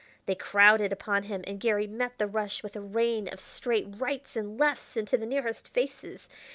They crowded upon him, and Garry met the rush with a rain of straight rights and lefts into the nearest faces.